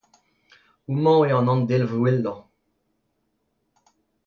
Houmañ eo an handelv wellañ.